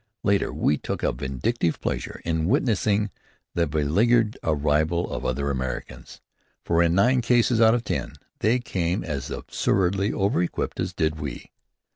Later, we took a vindictive pleasure in witnessing the beluggaged arrival of other Americans, for in nine cases out of ten they came as absurdly over equipped as did we.